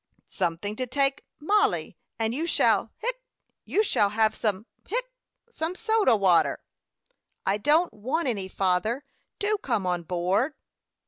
"Something to take, Mollie, and you shall hic you shall have some hic some soda water." "I don't want any, father. Do come on board."